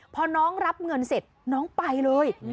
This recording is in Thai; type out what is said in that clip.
พอน้องรับเงินเสร็จน้องไปเลย